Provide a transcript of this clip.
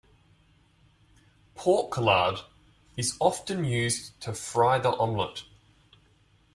Pork lard is often used to fry the omelette.